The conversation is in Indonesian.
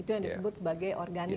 itu yang disebut sebagai organic itu ya